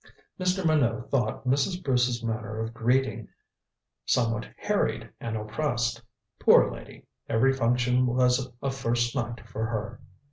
Mr. Minot thought Mrs. Bruce's manner of greeting somewhat harried and oppressed. Poor lady, every function was a first night for her.